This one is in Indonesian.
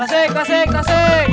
tasik tasik tasik